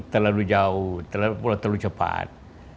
terlalu jauh terlalu cepat